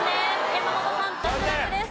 山本さん脱落です。